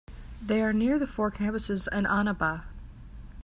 They are near the four campuses in Annaba.